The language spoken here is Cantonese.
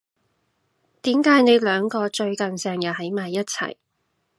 點解你兩個最近成日喺埋一齊？